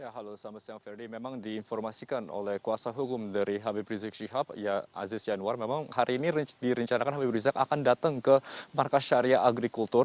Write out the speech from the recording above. halo selamat siang ferdi memang diinformasikan oleh kuasa hukum dari habib rizik syihab ya aziz yanwar memang hari ini direncanakan habib rizik akan datang ke markas syariah agrikultur